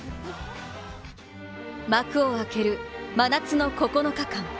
幕を開ける真夏の９日間。